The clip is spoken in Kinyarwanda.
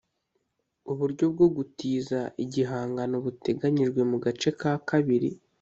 Uburyo bwogutiza igihangano buteganyijwe mu gace ka kabiri